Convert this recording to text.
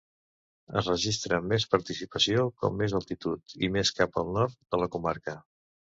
Es registra més precipitació com més altitud, i més cap al nord de la comarca.